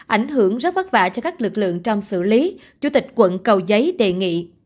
ảnh hưởng rất vất vả cho các lực lượng trong xử lý chủ tịch quận cầu giấy đề nghị